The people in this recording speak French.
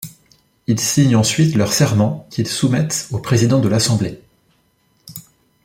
Ils signent ensuite leur serment, qu'ils soumettent au président de l'Assemblée.